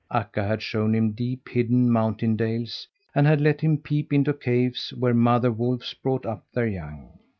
Akka had shown him deep hidden mountain dales and had let him peep into caves where mother wolves brought up their young.